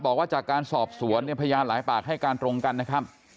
บอกว่าจากการสอบสวนเนี่ยพยานหลายปากให้การตรงกันนะครับ